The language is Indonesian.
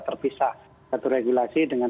terpisah satu regulasi dengan